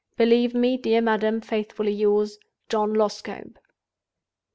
"Believe me, dear madam, faithfully yours, "JOHN LOSCOMBE.